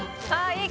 いい